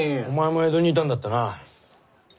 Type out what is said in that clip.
お前も江戸にいたんだったな。